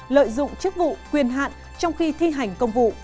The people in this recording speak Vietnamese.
lợi dụng chức vụ quyền hạn trong khi thi hành công vụ